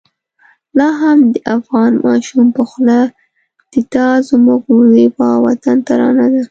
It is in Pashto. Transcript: لا هم د افغان ماشوم په خوله د دا زموږ زېبا وطن ترانه ده.